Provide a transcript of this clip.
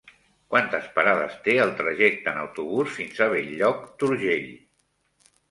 Quantes parades té el trajecte en autobús fins a Bell-lloc d'Urgell?